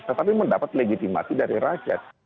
tetapi mendapat legitimasi dari rakyat